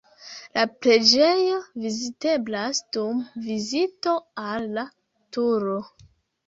La preĝejo viziteblas dum vizito al la Turo.